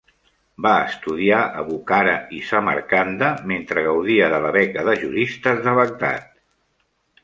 Va estudiar a Bukhara i Samarcanda mentre gaudia de la beca de juristes de Bagdad.